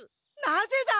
なぜだ？